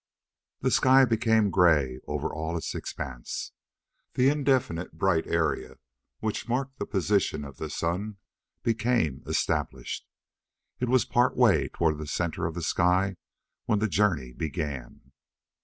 The sky became gray over all its expanse. The indefinite bright area which marked the position of the sun became established. It was part way toward the center of the sky when the journey began.